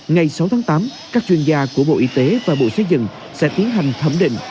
ngày sáu tháng tám các chuyên gia của bộ y tế và bộ xây dựng sẽ tiến hành thẩm định